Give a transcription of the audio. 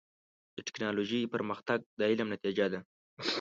د ټکنالوجۍ پرمختګ د علم نتیجه ده.